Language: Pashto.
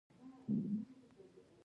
هغه وویل چې تورنۍ ته ارتقا کوم.